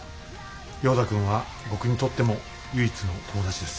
ヨーダ君は僕にとっても唯一の友達です。